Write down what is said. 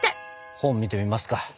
本見てみますか。